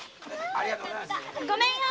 ごめんよ。